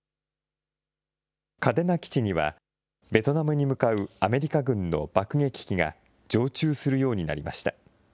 嘉手納基地には、ベトナムに向かうアメリカ軍の爆撃機が常駐するようになりました。